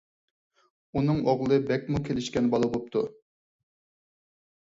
ئۇنىڭ ئوغلى بەكمۇ كېلىشكەن بالا بوپتۇ.